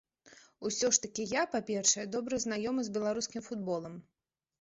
Усё ж такі я, па-першае, добра знаёмы з беларускім футболам.